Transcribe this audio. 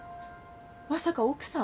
まさか奥さん？